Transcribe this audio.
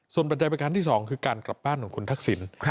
ส่วนปัจจัยประการที่๒คือการกลับบ้านของคุณทักษิณ